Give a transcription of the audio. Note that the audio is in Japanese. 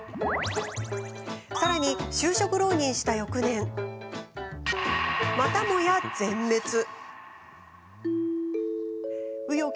さらに就職浪人した、翌年またもや全滅。